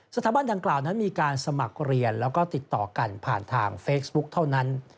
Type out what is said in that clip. สถาบันดังกล่าวนั้นมีการสมัครเรียนแล้วก็ติดต่อกันผ่านทางเฟซบุ๊คเท่านั้น